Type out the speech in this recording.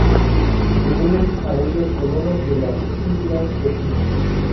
Se unen a ellos colonos de las islas vecinas.